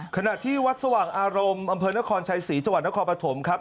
ขณะที่วัดสว่างอารมณ์อำเภอนครชัยศรีจังหวัดนครปฐมครับ